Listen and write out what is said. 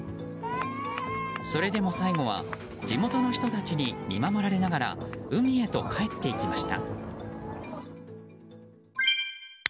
それでも最後は地元の人たちに見守られながら海へと帰っていきました。